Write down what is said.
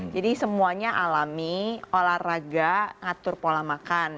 jadi semuanya alami olahraga ngatur pola makan